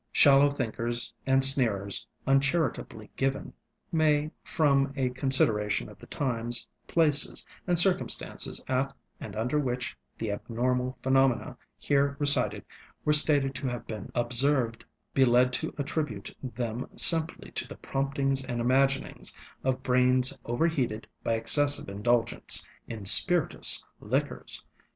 Shallow thinkers, and sneerers uncharitably given, may, from a consideration of the times, places, and circumstances at and under which the abnormal phenomena here recited were stated to have been observed, be led to attribute them simply to the promptings and imaginings of brains overheated by excessive indulgence in spirituous liquors.